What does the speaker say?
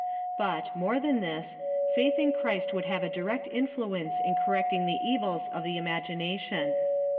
But, more than this, faith in Christ would have a direct influ ence in correcting the evils of the imagination.